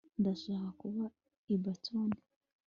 ndashaka kuba i boston